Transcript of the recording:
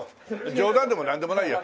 冗談でもなんでもないよ